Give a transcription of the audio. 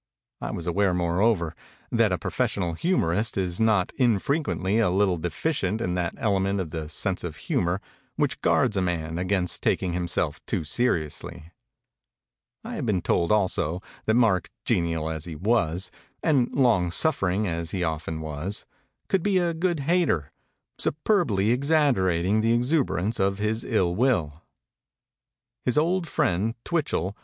I was aware moreover that a pro fessional humorist is not infrequently a little de ficient in that element of the sense of humor which guards a man against taking himself too seriously. I had been told also that Mark genial as he was, and long suffering as he often was, could be a good hater, superbly exaggerat ing the exuberance of his ill will. His old frund, Tv.'iulull.